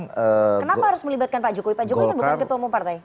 kenapa harus melibatkan pak jokowi pak jokowi kan bukan ketua umum partai